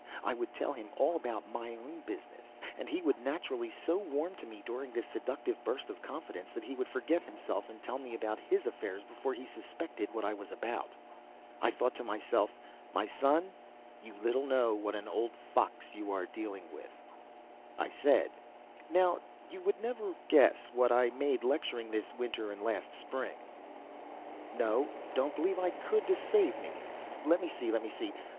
I would tell him all about my own business, and he would naturally so warm to me during this seductive burst of confidence that he would forget himself, and tell me all about his affairs before he suspected what I was about. I thought to myself, My son, you little know what an old fox you are dealing with. I said: "Now you never would guess what I made lecturing this winter and last spring?" "No don't believe I could, to save me. Let me see let me see.